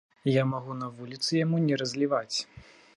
Я магу на вуліцы яму не разліваць.